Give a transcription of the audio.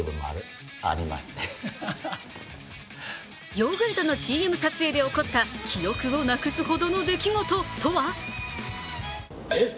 ヨーグルトのＣＭ撮影で起こった記憶をなくすほどの出来事とは？